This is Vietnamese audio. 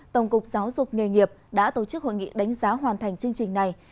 tổng cục giáo dục nghề nghiệp đã tổ chức hội nghị đánh giá hoàn thành chương trình này